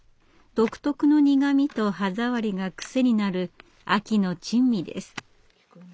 独特の苦味と歯触りがクセになる秋の珍味です。